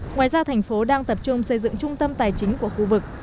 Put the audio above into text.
ngoài ra thành phố đang tập trung xây dựng trung tâm tài chính của khu vực